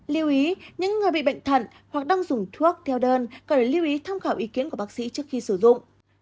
liêu ý những người bị bệnh thận hoặc đang dùng thuốc theo đơn có thể lưu ý tham khảo ý kiến của bác sĩ trước khi sử dụng